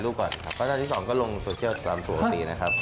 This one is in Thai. แล้วขั้นตอนสุดท้ายนะครับ